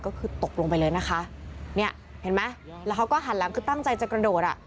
ก็คือตกลงไปเลยนะคะเนี่ยเห็นไหมแล้วเขาก็หันหลังคือตั้งใจจะกระโดดอ่ะ